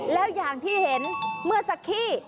แล้วอย่างที่เห็นเมื่อสักขี้